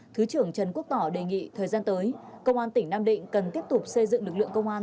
thứ trưởng trần quốc tỏ đề nghị thời gian tới công an tỉnh nam định cần tiếp tục xây dựng lực lượng công an